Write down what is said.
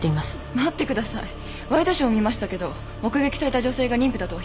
待ってくださいワイドショー見ましたけど目撃された女性が妊婦だとは一言も。